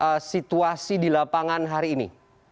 bagaimana situasi di lapangan hari ini